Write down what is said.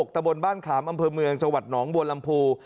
ตะบนบ้านขามอำเภอเมืองจังหวัดหนองบัวลำพู